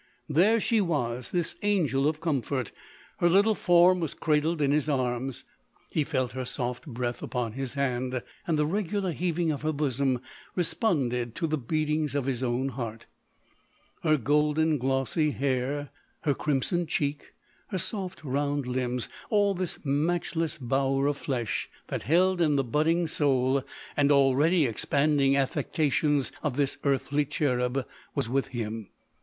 There slit was, this angel of comfort ; her little form was cradled in his arms, he felt her soft breath upon his hand, and the regular heaving of her bosom responded to the beatings of his own heart ; her golden, glossy hair, her crimsoned cheek, her soft, round limbs ;— all this matchless " bower of flesh," that held in the budding soul, and already expanding affections of this earthly cherub, was with him.